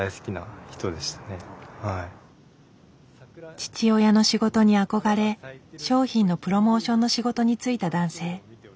父親の仕事に憧れ商品のプロモーションの仕事に就いた男性。